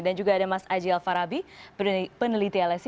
dan juga ada mas aji alfarabi peneliti lsi